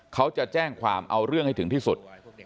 เขาจะแจ้งความเอาเรื่องให้ถึงที่สุด